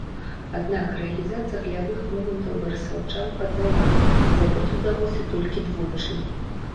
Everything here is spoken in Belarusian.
Аднак рэалізацыя галявых момантаў барысаўчан падвяла, забіць удалося толькі двойчы.